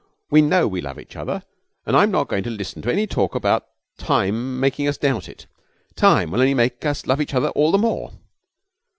We know we love each other, and I'm not going to listen to any talk about time making us doubt it. Time will only make us love each other all the more.'